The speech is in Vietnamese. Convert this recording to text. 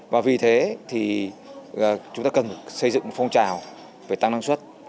và vì thế thì chúng ta cần xây dựng một phong trào về tăng năng suất